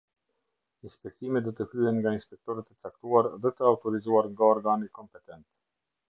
Inspektimet do të kryhen nga inspektorët e caktuar dhe të autorizuar nga organi kompetent.